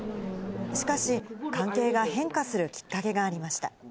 しかし、関係が変化するきっかけがありました。